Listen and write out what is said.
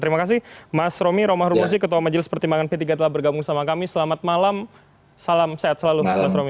terima kasih mas romi romah rumusi ketua majelis pertimbangan p tiga telah bergabung sama kami selamat malam salam sehat selalu mas romi